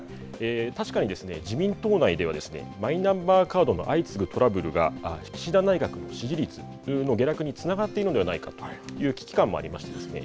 確かにですね自民党内ではですねマイナンバーカードの相次ぐトラブルが岸田内閣の支持率の下落につながっているのではないかいう危機感もありましてですね